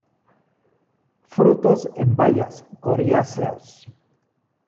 Frutos en bayas, coriáceos.